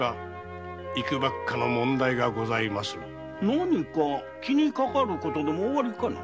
何か気にかかることでもおありかな？